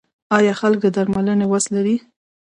آیا خلک د درملنې وس لري؟